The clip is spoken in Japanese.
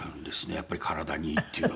やっぱり体にいいっていうのが。